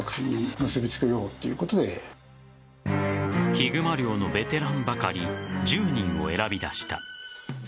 ヒグマ猟のベテランばかり１０人を選び出した。